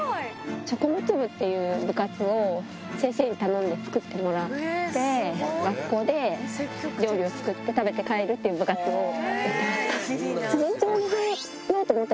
食物部っていう部活を、先生に頼んで作ってもらって、学校で料理を作って食べて帰るっていう部活をやってました。